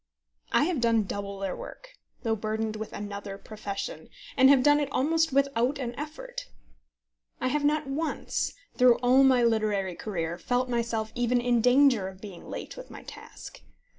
I have done double their work, though burdened with another profession, and have done it almost without an effort. I have not once, through all my literary career, felt myself even in danger of being late with my task.